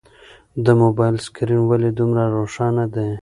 د موبایل سکرین ولې دومره روښانه دی؟